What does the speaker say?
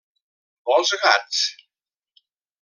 Vols gats?